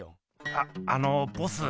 ああのボス。